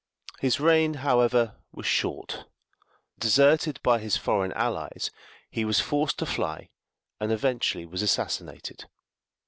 His reign, however, was short. Deserted by his foreign allies, he was forced to fly, and eventually was assassinated.